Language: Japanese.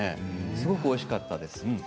すごくおいしかったです。